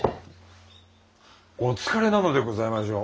お疲れなのでございましょう。